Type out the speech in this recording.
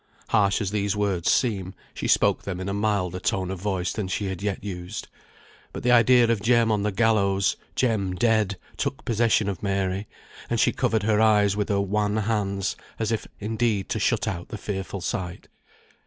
Harsh as these words seem, she spoke them in a milder tone of voice than she had yet used. But the idea of Jem on the gallows, Jem dead, took possession of Mary, and she covered her eyes with her wan hands, as if indeed to shut out the fearful sight.